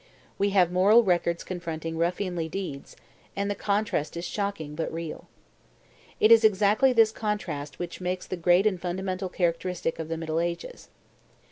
We have moral records confronting ruffianly deeds; and the contrast is shocking, but real. It is exactly this contrast which makes the great and fundamental characteristic of the middle ages.